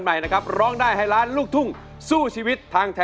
โทษใจโทษใจโทษใจโทษใจโทษใจโทษใจโทษใจโทษใจโทษใจโทษใจโทษใจ